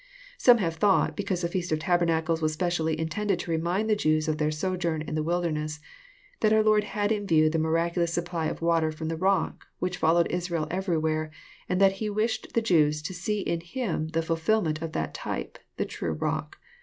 Some have thought, because the feast of tabernacles was specially intended to remind the Jews of their sojourn in the wilderness, that our Lord had in vie^ the miraculous supply of water from the rock, which followed Israel everywhere, and that He wished the Jews to see in Him the fulfilment of that type, the true Bock.